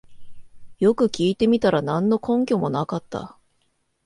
よく聞いてみたら何の根拠もなかった